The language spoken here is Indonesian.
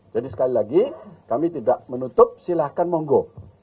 jadi sekali lagi kami tidak menutup silahkan monggo